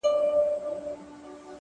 ستا د هيندارو په لاسونو کي به ځان ووينم،